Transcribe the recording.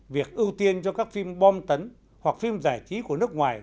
việc ưu tiên cho các phim bom tấn hoặc phim giải trí của nước ngoài